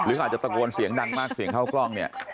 อาจจะตะโกนเสียงดังมากเสียงเข้ากล้องเนี่ย